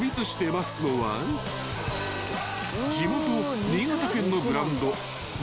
待つのは地元新潟県のブランド］